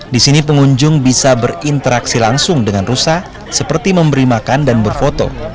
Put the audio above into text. di sini pengunjung bisa berinteraksi langsung dengan rusa seperti memberi makan dan berfoto